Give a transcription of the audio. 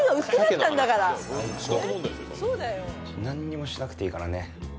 何にもしなくていいからね。